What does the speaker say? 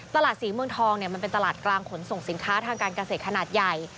ตลาดศรีเมืองทองมันเป็นตลาดกลางขนส่งสินค้าทางการเกษตรขนาดใหญ่